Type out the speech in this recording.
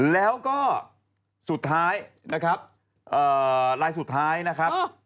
แล้วก็สุดท้ายนะครับลายสุดท้ายนะครับ